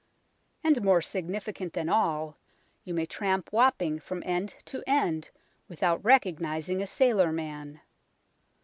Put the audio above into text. And, more significant than all, you may tramp Wapping from end to end without recognizing a sailor man.